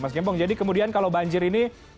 mas gembong jadi kemudian kalau banjir ini